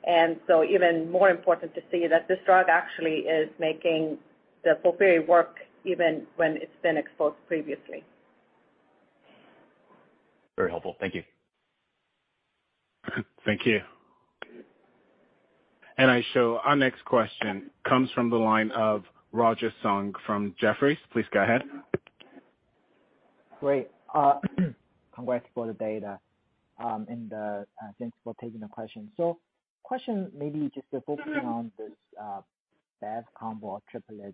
and so even more important to see that this drug actually is making the FOLFIRI work even when it's been exposed previously. Very helpful. Thank you. Thank you. I show our next question comes from the line of Roger Song from Jefferies. Please go ahead. Great. Congrats for the data, thanks for taking the question. Question maybe just focusing on this bev combo triplets.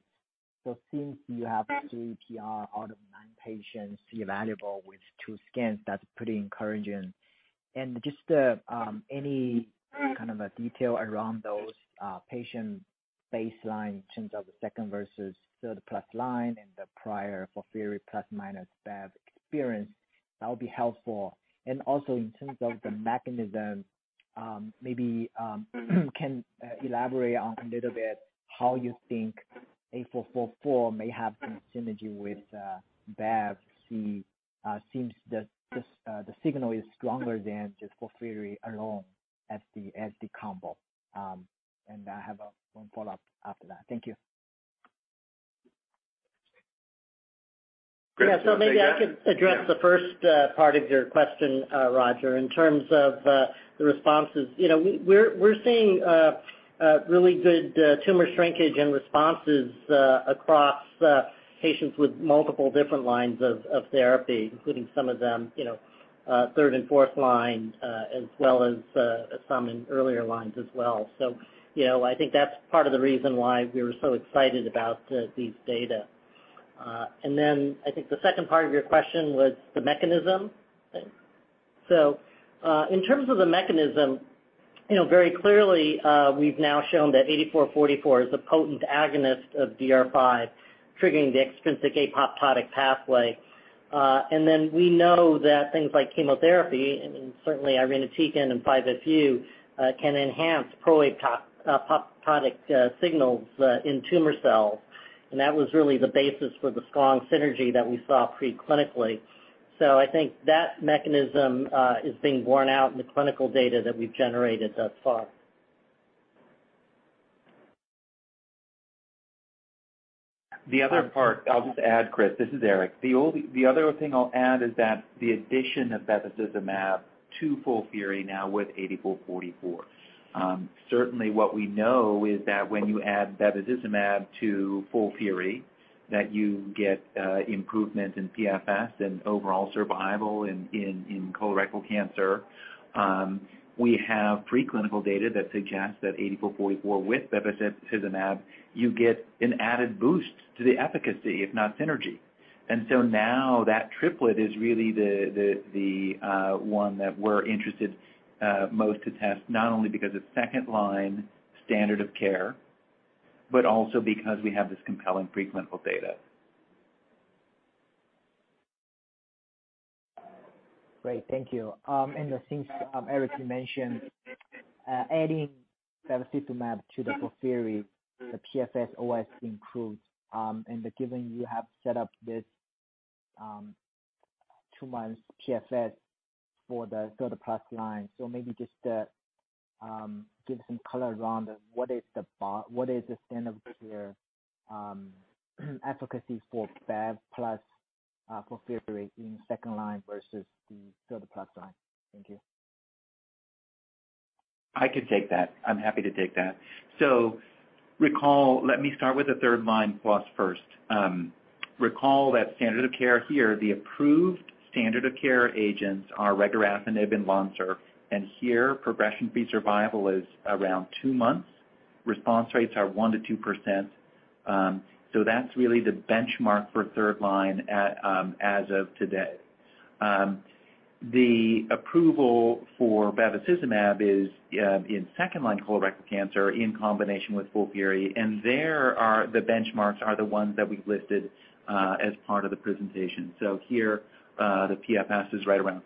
Since you have thre PR out of nine patients evaluable with two scans, that's pretty encouraging. Just any kind of a detail around those patient baseline in terms of the second versus third-plus line and the prior FOLFIRI plus, minus bev experience, that would be helpful. Also in terms of the mechanism, maybe can elaborate on a little bit how you think IGM-8444 may have some synergy with bev? Seems that this the signal is stronger than just FOLFIRI alone as the combo. I have a one follow-up after that. Thank you. Maybe I could address the first part of your question, Roger. In terms of the responses, you know, we're seeing a really good tumor shrinkage and responses across patients with multiple different lines of therapy, including some of them, you know.... third and fourth line, as well as, some in earlier lines as well. You know, I think that's part of the reason why we were so excited about these data. I think the second part of your question was the mechanism? In terms of the mechanism, you know, very clearly, we've now shown that IGM-8444 is a potent agonist of DR5, triggering the extrinsic apoptotic pathway. We know that things like chemotherapy, and certainly irinotecan and 5-FU, can enhance pro-apoptotic signals in tumor cells, and that was really the basis for the strong synergy that we saw pre-clinically. I think that mechanism is being borne out in the clinical data that we've generated thus far. The other part, I'll just add, Chris, this is Eric. The other thing I'll add is that the addition of bevacizumab to FOLFIRI now with IGM-8444. Certainly what we know is that when you add bevacizumab to FOLFIRI, that you get improvement in PFS and overall survival in colorectal cancer. We have preclinical data that suggests that IGM-8444 with bevacizumab, you get an added boost to the efficacy, if not synergy. Now that triplet is really the one that we're interested most to test, not only because it's second-line standard of care, but also because we have this compelling preclinical data. Great, thank you. Since Eric, you mentioned adding bevacizumab to the FOLFIRI, the PFS OS improves. Given you have set up this two-month PFS for the third plus line, so maybe just give some color around what is the standard of care efficacy for bev plus FOLFIRI in second line versus the third plus line? Thank you. I can take that. I'm happy to take that. Recall, let me start with the third line plus first. Recall that standard of care here, the approved standard of care agents are regorafenib and Lonsurf, here, progression-free survival is around two months. Response rates are 1%-2%. That's really the benchmark for third line as of today. The approval for bevacizumab is in second-line colorectal cancer in combination with FOLFIRI, the benchmarks are the ones that we've listed as part of the presentation. Here, the PFS is right around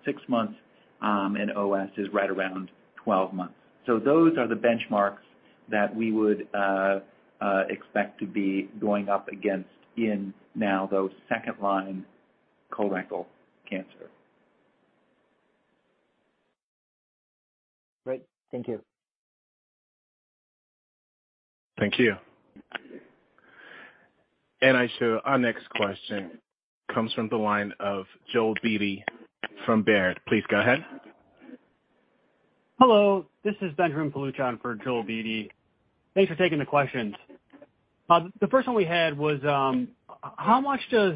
sixmonths, OS is right around 12 months. Those are the benchmarks that we would expect to be going up against in now those second-line colorectal cancer. Great. Thank you. Thank you. I show our next question comes from the line of Joel Beatty from Baird. Please go ahead. Hello, this is Benjamin Paluch for Joel Beatty. Thanks for taking the questions. The first one we had was how much does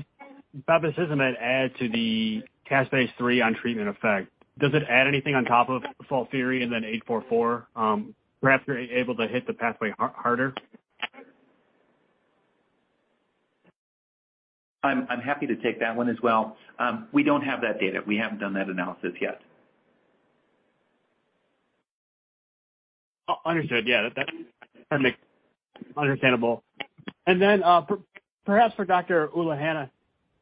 bevacizumab add to the caspase-3 on treatment effect? Does it add anything on top of FOLFIRI and then 8444, perhaps you're able to hit the pathway harder? I'm happy to take that one as well. We don't have that data. We haven't done that analysis yet. understood. Yeah, that makes understandable. Perhaps for Dr. Ulahannan,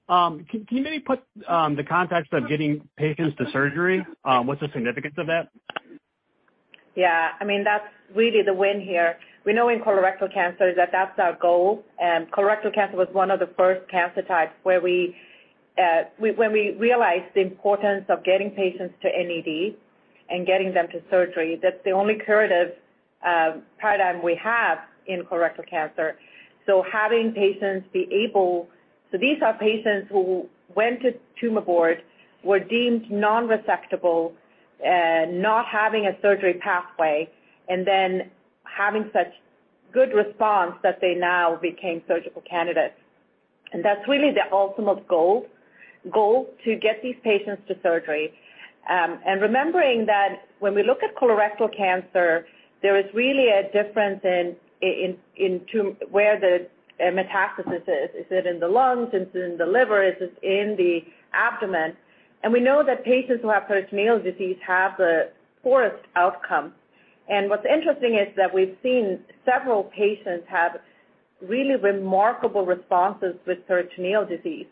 can you maybe put the context of getting patients to surgery? What's the significance of that? Yeah, I mean, that's really the win here. We know in colorectal cancer that that's our goal. Colorectal cancer was one of the first cancer types where when we realized the importance of getting patients to NED and getting them to surgery, that's the only curative paradigm we have in colorectal cancer. These are patients who went to tumor board, were deemed non-resectable, not having a surgery pathway, then having such good response that they now became surgical candidates. That's really the ultimate goal to get these patients to surgery. Remembering that when we look at colorectal cancer, there is really a difference in where the metastasis is. Is it in the lungs? Is it in the liver? Is it in the abdomen? We know that patients who have peritoneal disease have the poorest outcome. What's interesting is that we've seen several patients have really remarkable responses with peritoneal disease,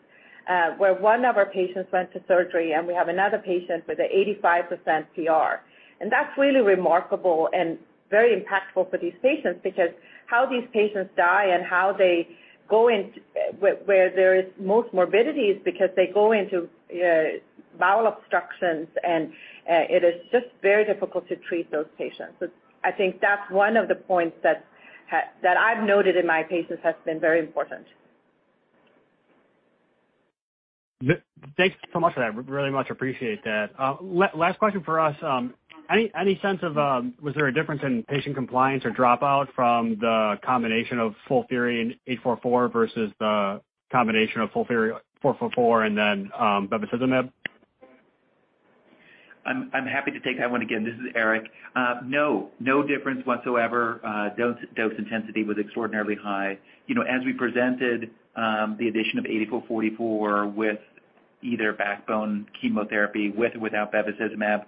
where one of our patients went to surgery, and we have another patient with a 85% PR. That's really remarkable and very impactful for these patients, because how these patients die and how they go in, where there is most morbidity, is because they go into bowel obstructions, and it is just very difficult to treat those patients. I think that's one of the points that I've noted in my patients has been very important. Thanks so much for that. Really much appreciate that. Last question for us, any sense of was there a difference in patient compliance or dropout from the combination of FOLFIRI and 8444 versus the combination of FOLFIRI, 444, and then bevacizumab? I'm happy to take that one again. This is Eric. No difference whatsoever. Dose intensity was extraordinarily high. You know, as we presented, the addition of 8444 with either backbone chemotherapy, with or without bevacizumab,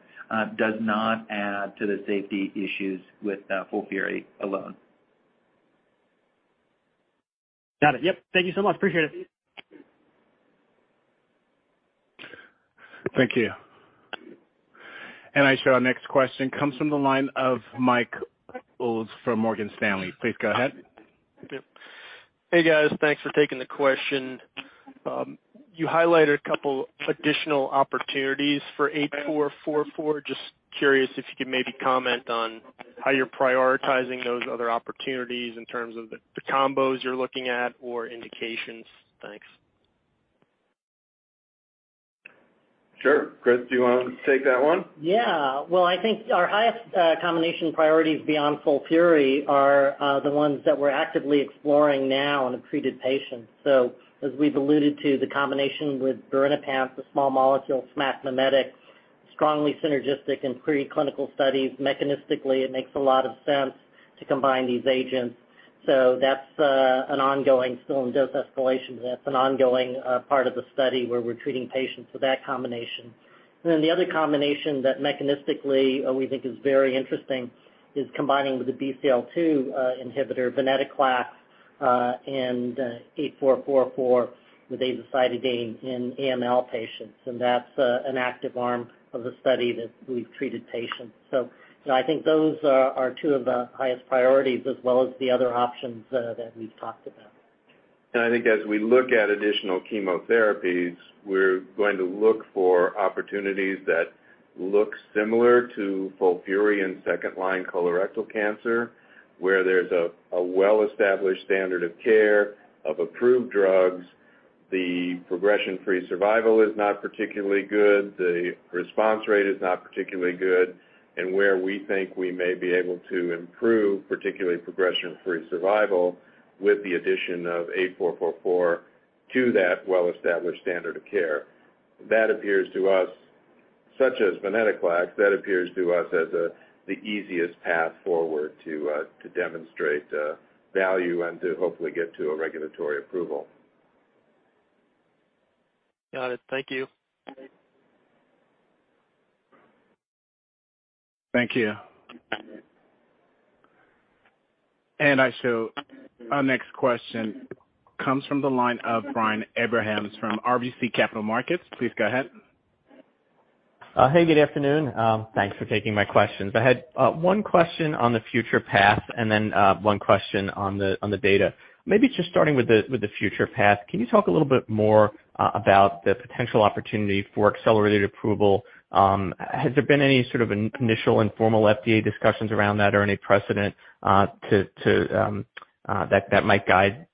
does not add to the safety issues with FOLFIRI alone. Got it. Yep. Thank you so much. Appreciate it. Thank you. I show our next question comes from the line of Mike Ulz from Morgan Stanley. Please go ahead. Hey, guys. Thanks for taking the question. You highlighted a couple additional opportunities for 8444. Just curious if you could maybe comment on how you're prioritizing those other opportunities in terms of the combos you're looking at or indications? Thanks. Sure. Chris, do you wanna take that one? Well, I think our highest combination priorities beyond FOLFIRI are the ones that we're actively exploring now in a treated patient. As we've alluded to, the combination with birinapant, the small molecule SMAC mimetic, strongly synergistic in preclinical studies. Mechanistically, it makes a lot of sense to combine these agents, so that's an ongoing part of the study where we're treating patients with that combination. The other combination that mechanistically we think is very interesting is combining the BCL-2 inhibitor, venetoclax, and 8444 with azacitidine in AML patients, and that's an active arm of the study that we've treated patients. I think those are two of the highest priorities as well as the other options that we've talked about. I think as we look at additional chemotherapies, we're going to look for opportunities that look similar to FOLFIRI in second line colorectal cancer, where there's a well-established standard of care of approved drugs. The progression-free survival is not particularly good, the response rate is not particularly good, and where we think we may be able to improve, particularly progression-free survival, with the addition of 8444 to that well-established standard of care. That appears to us, such as venetoclax, as the easiest path forward to demonstrate value and to hopefully get to a regulatory approval. Got it. Thank you. Thank you. I show our next question comes from the line of Brian Abrahams from RBC Capital Markets. Please go ahead. Hey, good afternoon. Thanks for taking my questions. I had one question on the future path and then one question on the data. Maybe just starting with the future path, can you talk a little bit more about the potential opportunity for accelerated approval? Has there been any sort of initial informal FDA discussions around that or any precedent to that might guide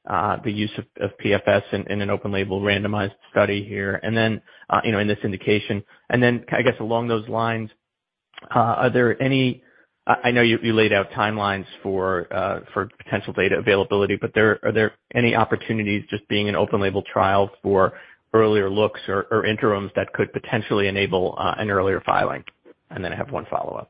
the use of PFS in an open label randomized study here, and then, you know, in this indication? I guess along those lines, are there any... I know you laid out timelines for potential data availability. Are there any opportunities just being an open label trial for earlier looks or interims that could potentially enable an earlier filing? I have one follow-up.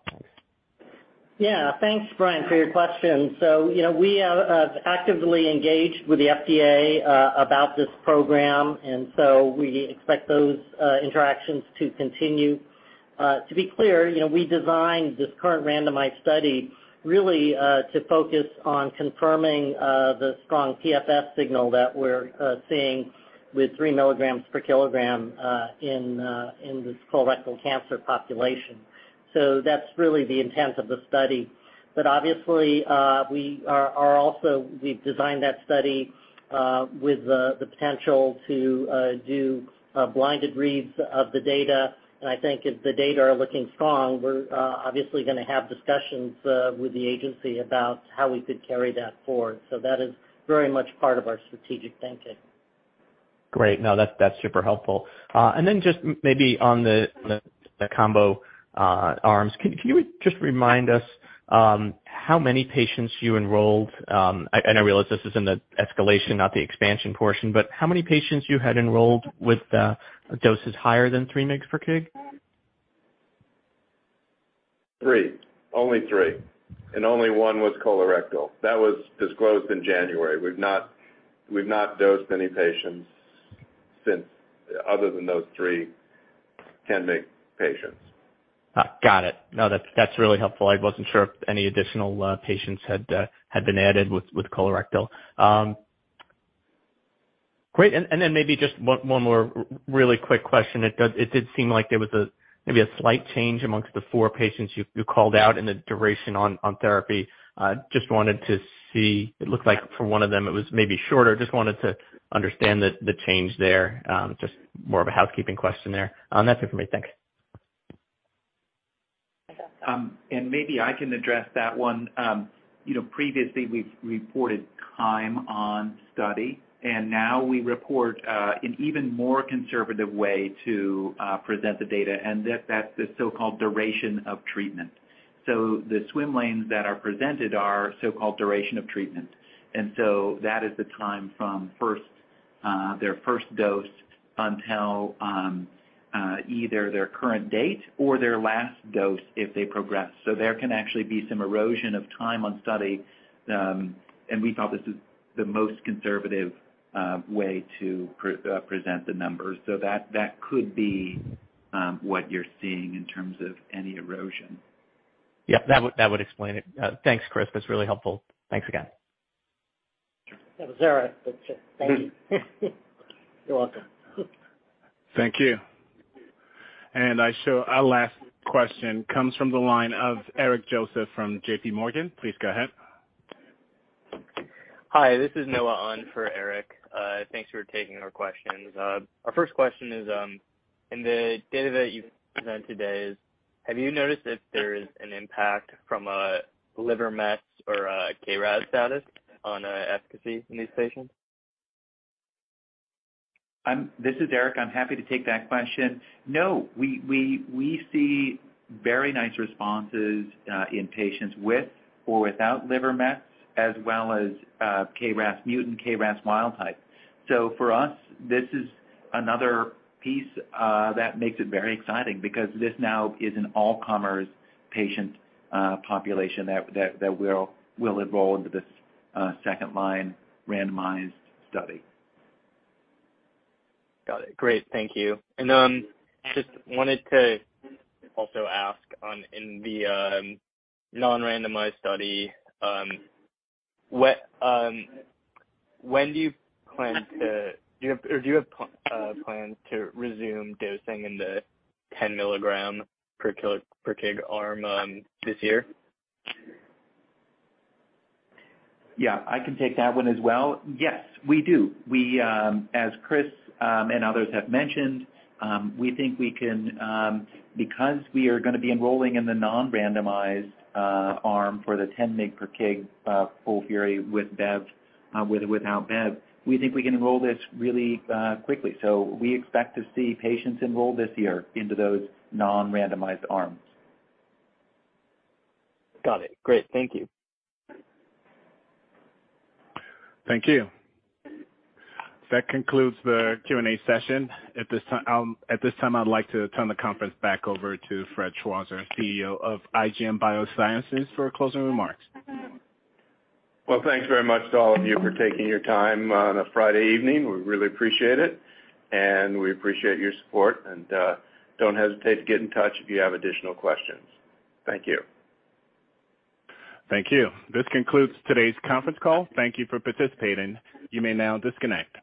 Yeah. Thanks, Brian, for your question. You know, we have actively engaged with the FDA about this program. We expect those interactions to continue. To be clear, you know, we designed this current randomized study really to focus on confirming the strong PFS signal that we're seeing with 3 mg/kg in this colorectal cancer population. That's really the intent of the study. Obviously, we've designed that study with the potential to do blinded reads of the data. I think if the data are looking strong, we're obviously gonna have discussions with the agency about how we could carry that forward. That is very much part of our strategic thinking. Great. No, that's super helpful. Just maybe on the combo arms, can you just remind us how many patients you enrolled? I, and I realize this is in the escalation, not the expansion portion, but how many patients you had enrolled with doses higher than 3 mg/kg? Three. Only three, only one was colorectal. That was disclosed in January. We've not dosed any patients since, other than those 3-10 mg patients. Got it. No, that's really helpful. I wasn't sure if any additional patients had been added with colorectal. Great. Then maybe just one more really quick question. It did seem like there was a, maybe a slight change amongst the four patients you called out in the duration on therapy. Just wanted to see. It looked like for one of them, it was maybe shorter. Just wanted to understand the change there. Just more of a housekeeping question there. That's it for me. Thanks. Maybe I can address that one. You know, previously, we've reported time on study, and now we report an even more conservative way to present the data, and that's the so-called duration of treatment. The swim lanes that are presented are so-called duration of treatment. That is the time from first their first dose until either their current date or their last dose, if they progress. There can actually be some erosion of time on study, and we thought this is the most conservative way to present the numbers. That could be what you're seeing in terms of any erosion. Yeah, that would, that would explain it. Thanks, Chris. That's really helpful. Thanks again. That was Eric, but thank you. You're welcome. Thank you. I show our last question comes from the line of Eric Joseph from JPMorgan. Please go ahead. Hi, this is Noah on for Eric. Thanks for taking our questions. Our first question is, in the data that you've presented today, have you noticed if there is an impact from a liver mets or a KRAS status on efficacy in these patients? This is Eric. I'm happy to take that question. We see very nice responses in patients with or without liver mets, as well as KRAS mutant, KRAS wild type. For us, this is another piece that makes it very exciting because this now is an all-comers patient population that we'll enroll into this second line randomized study. Got it. Great, thank you. Just wanted to also ask on, in the non-randomized study, when do you plan to... Do you have plans to resume dosing in the 10 mg-kg arm, this year? Yeah, I can take that one as well. Yes, we do. We, as Chris, and others have mentioned, we think we can, because we are gonna be enrolling in the non-randomized arm for the 10 mg/kg, FOLFIRI with Bev, with, without Bev, we think we can enroll this really quickly. We expect to see patients enroll this year into those non-randomized arms. Got it. Great. Thank you. Thank you. That concludes the Q&A session. At this time, I'd like to turn the conference back over to Fred Schwarzer, CEO of IGM Biosciences, for closing remarks. Well, thanks very much to all of you for taking your time on a Friday evening. We really appreciate it, and we appreciate your support, and don't hesitate to get in touch if you have additional questions. Thank you. Thank you. This concludes today's conference call. Thank you for participating. You may now disconnect.